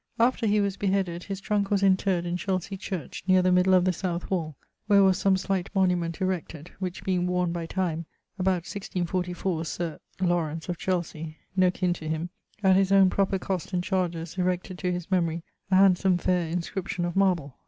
After he was beheaded, his trunke was interred in Chelsey church, neer the middle of the south wall, where was some slight monument[XXXVII.] erected, which being worne by time, about 1644 Sir ... Laurence, of Chelsey (no kinne to him), at his own proper cost and chardges, erected to his memorie a handsome faire inscription of marble.